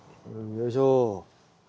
よいしょ。